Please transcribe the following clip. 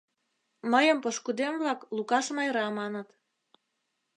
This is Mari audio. Мыйым пошкудем-влак Лукаш Майра маныт.